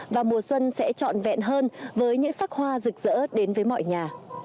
và mùa xuân sẽ trọn vẹn hơn với những sắc hoa rực rỡ đến với mọi nhà